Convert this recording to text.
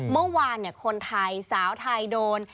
เมื่อวานคนไทยสาวไทยโดน